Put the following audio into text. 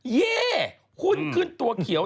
เย่หุ้นขึ้นตัวเขียว